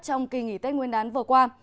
trong kỳ nghỉ tết nguyên đán vừa qua